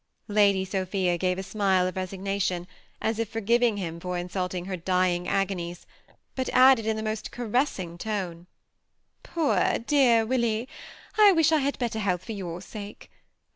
Lady Sophia gave a smile of resignation as if forgiv^ ing him for insulting her dying agonies, but added, in the most caressing tone, ^^ Poor dear Willy, I wish I had better health for your sake.